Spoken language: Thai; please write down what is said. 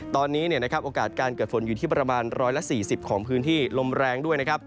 ตอนนี้โอกาสการเกิดฝนอยู่ที่ประมาณ๑๔๐ของพื้นที่ลมแรงด้วยนะครับ